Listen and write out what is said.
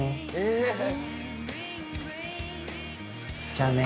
じゃあね。